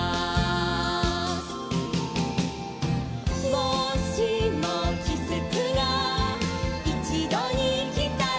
「もしもきせつがいちどにきたら」